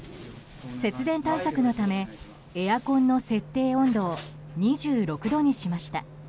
節電対策のためエアコンの設定温度を２６度にしました。